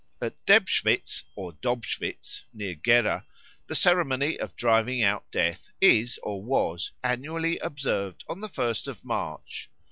At Debschwitz or Dobschwitz, near Gera, the ceremony of "Driving out Death" is or was annually observed on the first of March.